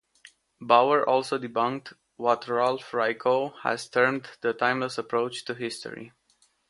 Bauer also debunked what Ralph Raico has termed the "timeless approach" to history.